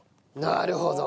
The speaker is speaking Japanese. なるほど！